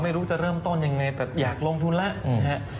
ไม่รู้จะเริ่มต้นยังไงแบบอยากลงทุนแล้วนะฮะ